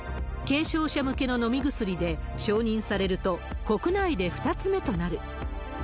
軽症者向けの飲み薬で、承認されると、国内で２つ目となる。